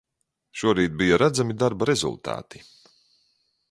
Šorīt bija redzami darba rezultāti.